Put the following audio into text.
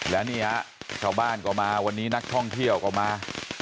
และนี่ฮะชาวบ้านก็มาวันนี้นักท่องเที่ยวก็มา